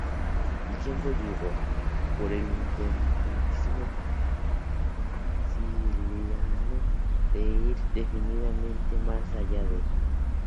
El tiempo llegó, por el independentismo siciliano de ir definitivamente más allá de.